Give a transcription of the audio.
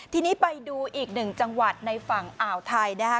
ทีนี้ไปดูอีกหนึ่งจังหวัดในฝั่งอ่าวไทยนะคะ